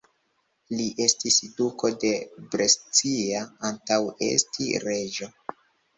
Li estis duko de Brescia antaŭ esti reĝo.